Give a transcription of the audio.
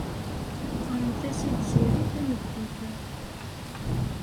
Ɣremt-as i Tiziri tameddit-a.